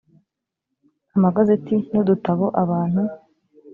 amagazeti n udutabo abantu